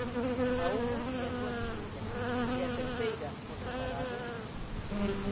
¿A unha e a dúas xuntas e a terceira por separado?